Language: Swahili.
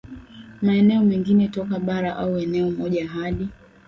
maeneo mengine toka bara au eneo moja hadi